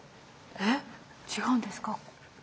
え違うんですか？